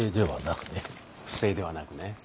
不正ではなくね。